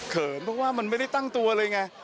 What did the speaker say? เพราะว่ามันไม่ได้ตั้งตัวเลยไง